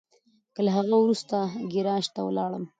له هغه وروسته ګاراج ته ولاړم.